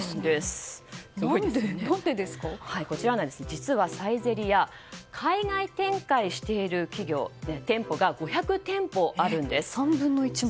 実は、サイゼリヤは海外展開している店舗が５００店舗あるんです。